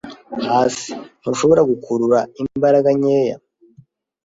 hasi. Ntushobora gukurura imbaraga nkeya? ”